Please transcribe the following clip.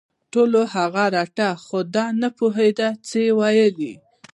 ټولو هغه رټه خو دی نه پوهېده څه یې ویلي